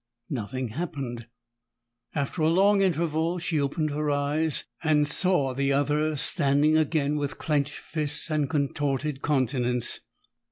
Nothing happened. After a long interval she opened her eyes, and saw the other standing again with clenched fists and contorted countenance.